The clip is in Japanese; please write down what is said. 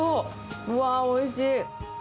うわー、おいしい。